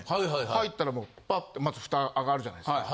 入ったらもうパッてまずフタ上がるじゃないですか。